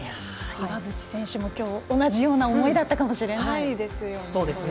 岩渕選手も、きょう同じような思いだったかもしれないですね。